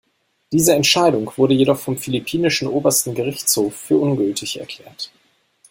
Diese Entscheidung wurde jedoch vom philippinischen Obersten Gerichtshof für ungültig erklärt.